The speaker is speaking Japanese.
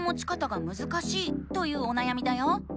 というおなやみだよ。